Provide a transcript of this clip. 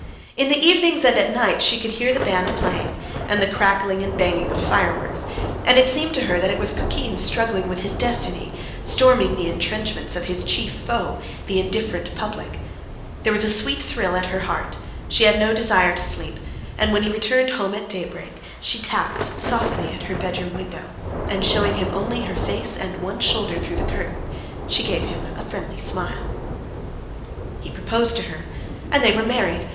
In the evenings and at night she could head the band playing, and the crackling and banging of fireworks, and it seemed to her that it was Kukin struggling with his destiny, storming the entrenchments of his chief foe, the indifferent public; there was a sweet thrill at her heart, she had no desire to sleep, and when he returned home at day break, she tapped softly at her bedroom window, and showing him only her face and one shoulder through the curtain, she gave him a friendly smile. ... He proposed to her, and they were married.